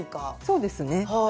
そうですねはい。